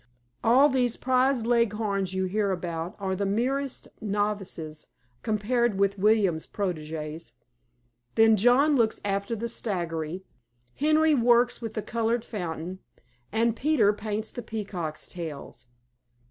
All these prize Leghorns you hear about are the merest novices compared with William's protegées. Then John looks after the staggery; Henry works the coloured fountain; and Peter paints the peacocks' tails.